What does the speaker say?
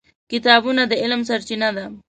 کتابونه د علم سرچینه ده.